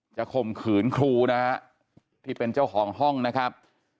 ข่มขืนครูนะฮะที่เป็นเจ้าของห้องนะครับ